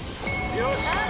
よし！